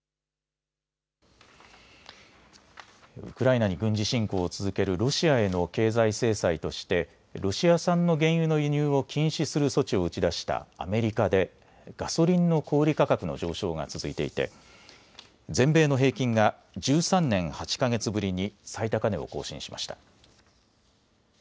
ウクライナに軍事侵攻を続けるロシアへの経済制裁としてロシア産の原油の輸入を禁止する措置を打ち出したアメリカでガソリンの小売価格の上昇が続いていて全米の平均が１３年８か月ぶりに最高値を更新しました。